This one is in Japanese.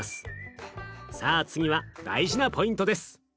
さあ次は大事なポイントです。